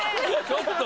ちょっと！